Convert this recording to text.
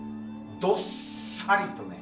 どっさりとね。